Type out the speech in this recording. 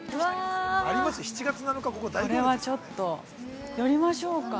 これはちょっと寄りましょうか。